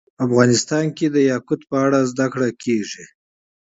افغانستان کې د یاقوت په اړه زده کړه کېږي.